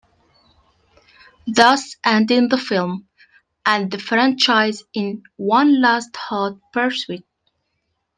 Thus ending the film, and the franchise, in one last hot pursuit.